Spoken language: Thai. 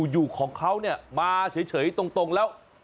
อยู่ของเขาเนี่ยมาเฉยตรงแล้ว